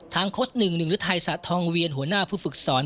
ทางโคสต์หนึ่งหนึ่งธัยสะท้องเวียนหัวหน้าภูเวลฝึกศร